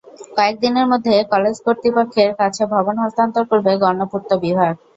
কয়েক দিনের মধ্যে কলেজ কর্তৃপক্ষের কাছে ভবন হস্তান্তর করবে গণপূর্ত বিভাগ।